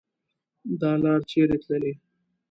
دا لار چیري تللي